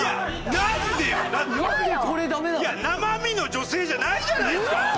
生身の女性じゃないじゃないですか！